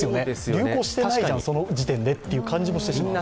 流行してないじゃん、その時点でという感じもしてしまう。